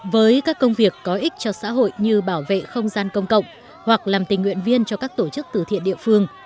với các công việc có ích cho xã hội như bảo vệ không gian công cộng hoặc làm tình nguyện viên cho các tổ chức tử thiện địa phương